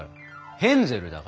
ヘンゼルだから。